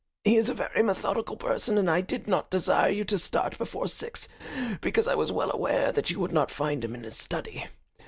He is a very methodical person, and I did not desire you to start before six, because I was well aware that you would not find him in his study.